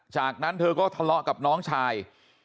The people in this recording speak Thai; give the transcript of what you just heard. จากนั้นเธอก็ทะเลาะกับน้องชาย